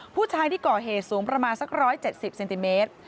ผู้ชายที่ก่อเหตุสูงประมาณสัก๑๗๐เซนติเมตร